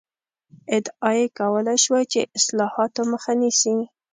ادعا یې کولای شوای چې اصلاحاتو مخه نیسي.